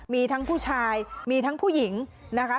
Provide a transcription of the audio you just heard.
มีทั้งผู้ชายมีทั้งผู้หญิงนะคะ